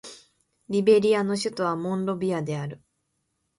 リベリアの首都はモンロビアである